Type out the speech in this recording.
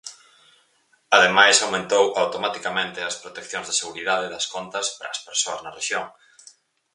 Ademais, aumentou automaticamente as proteccións de seguridade das contas para as persoas na rexión.